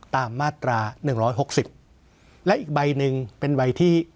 ตามมาตราหนึ่งร้อยหกสิบและอีกใบหนึ่งเป็นใบที่